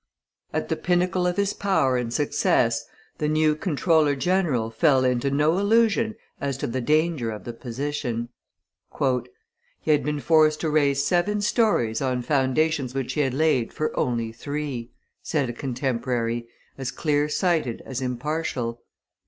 At the pinnacle of his power and success the new comptroller general fell into no illusion as to the danger of the position. "He had been forced to raise seven stories on foundations which he had laid for only three," said a contemporary, as clear sighted as impartial.